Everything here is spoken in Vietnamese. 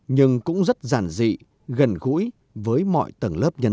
nhưng cũng rất giản dị gần gũi với mọi tầng lớp nhân dân